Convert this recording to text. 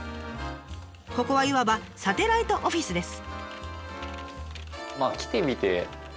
ここはいわばサテライトオフィスです。